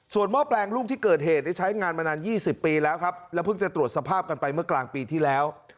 หม้อแปลงลูกที่เกิดเหตุได้ใช้งานมานาน๒๐ปีแล้วครับแล้วเพิ่งจะตรวจสภาพกันไปเมื่อกลางปีที่แล้ว